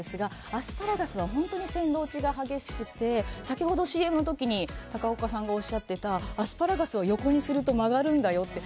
アスパラガスは本当に鮮度落ちが激しくて先ほど、ＣＭの時に高岡さんがおっしゃってたアスパラガスは横にすると曲がるんだよって。